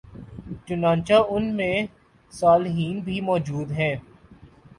چنانچہ ان میں صالحین بھی موجود ہیں